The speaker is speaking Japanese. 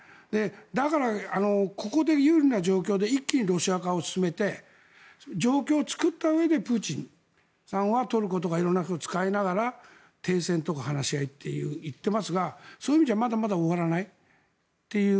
だから、ここで有利な状況で一気にロシア化を進めて状況を作ったうえでプーチンさんはトルコとか色んな人を使いながら停戦とか話し合いって言ってますがそういう意味ではまだまだ終わらないという。